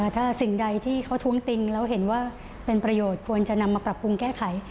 ถ้าสิ่งใดที่เขาท้วงติงแล้วเห็นว่าเป็นประโยชน์ควรจะนำมาปรับปรุงแก้ไข